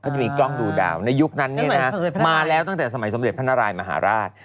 เขาจะมีกล้องดูดาวในยุคนั้นเนี่ยนะฮะมาแล้วตั้งแต่สมเด็จพระนารายย์มหาราช